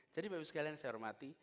jadi bapak ibu sekalian saya hormati